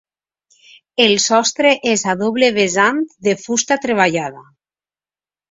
El sostre és a doble vessant de fusta treballada.